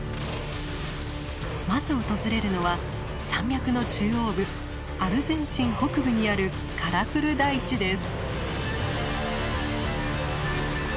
まず訪れるのは山脈の中央部アルゼンチン北部にあるカラフル大地です。